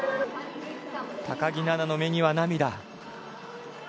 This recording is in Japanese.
高木菜那の目には涙。